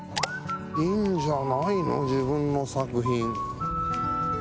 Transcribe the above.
いいんじゃないの自分の作品。